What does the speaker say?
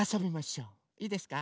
いいですか？